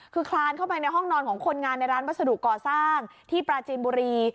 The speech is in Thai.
คือคลานเข้าไปในห้องนอนของคนงานในร้านวัสดุก่อสร้างที่ปราจีนบุรี